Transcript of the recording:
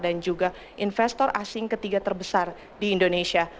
dan juga investor asing ketiga terbesar di indonesia